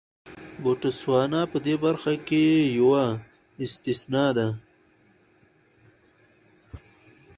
بوتسوانا په دې برخه کې یوه استثنا ده.